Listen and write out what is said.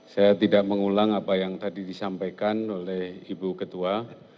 saya tidak mengulang apa yang tadi disampaikan oleh ibu ketua